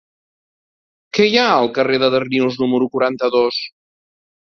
Què hi ha al carrer de Darnius número quaranta-dos?